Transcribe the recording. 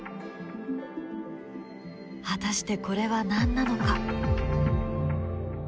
果たしてこれは何なのか？